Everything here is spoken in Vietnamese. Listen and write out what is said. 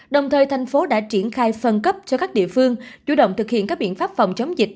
đồng thời thành phố đã triển khai phân cấp cho các địa phương chủ động thực hiện các biện pháp phòng chống dịch